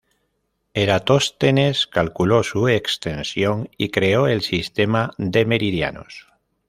Eratóstenes calculó su extensión y creó el sistema de meridianos.